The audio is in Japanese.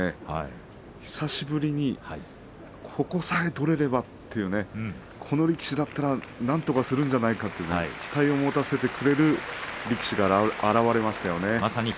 久しぶりにここさえ取れればというこの力士だったら、なんとかするんじゃないかという期待を持たせてくれる力士が現れましたよね。